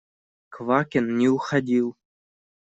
Квакин не уходил.